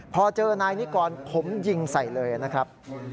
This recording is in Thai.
พอเจอนายนิกรผมยิงใส่เลยนะครับ